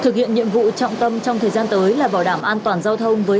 thực hiện nhiệm vụ trọng tâm trong thời gian tới là bảo đảm an toàn giao thông với